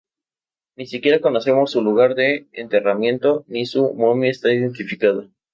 Ni siquiera conocemos su lugar de enterramiento, ni su momia está identificada.